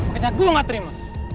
makanya gue gak terima